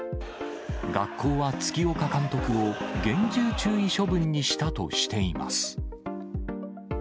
学校は月岡監督を厳重注意処分にしたとしています。